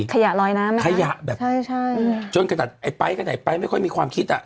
ขยะลอยน้ำไหมคะขยะแบบใช่ใช่จนกระดัดไอ้ไป๊บกันไอ้ไป๊ไม่ค่อยมีความคิดอ่ะ